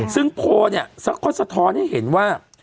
ซึ่งโพลสักครั้งสะท้อนให้เห็นว่า